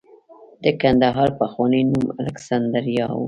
د کندهار پخوانی نوم الکسندریا و